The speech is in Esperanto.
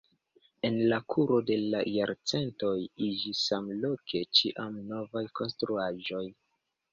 En la kuro de la jarcentoj iĝis samloke ĉiam novaj konstruaĵoj.